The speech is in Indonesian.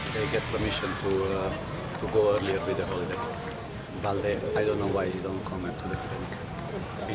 balde saya tidak tahu mengapa dia tidak datang ke partai